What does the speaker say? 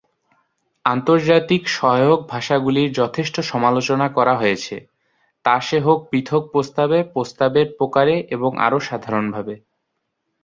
আন্তর্জাতিক সহায়ক ভাষাগুলির যথেষ্ট সমালোচনা করা হয়েছে, তা সে হোক পৃথক প্রস্তাবে, প্রস্তাবের প্রকারে, এবং আরো সাধারণভাবে।